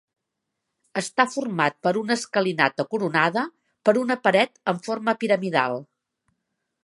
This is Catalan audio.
Està format per una escalinata coronada per una paret en forma piramidal.